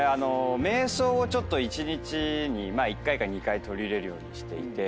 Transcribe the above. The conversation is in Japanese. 瞑想をちょっと一日に１回か２回取り入れるようにしていて。